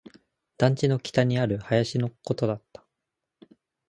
団地の北にある林のことだった